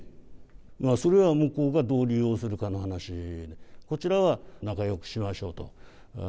それは向こうがどう利用するかの話で、こちらは仲よくしましょうと。